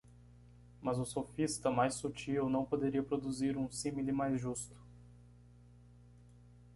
Mas o sofista mais sutil não poderia produzir um símile mais justo.